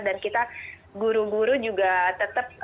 dan kita guru guru juga tetap